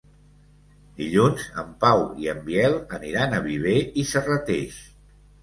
Dilluns en Pau i en Biel aniran a Viver i Serrateix.